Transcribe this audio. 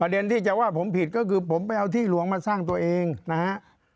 เด็นที่จะว่าผมผิดก็คือผมไปเอาที่หลวงมาสร้างตัวเองนะฮะ